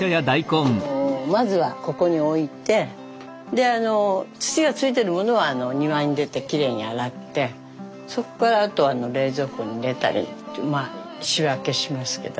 まずはここに置いてで土がついてるものは庭に出てきれいに洗ってそこからあと冷蔵庫に入れたり仕分けしますけど。